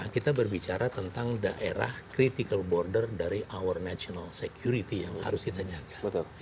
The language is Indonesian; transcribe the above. kita berbicara tentang daerah critical border dari our national security yang harus ditanyakan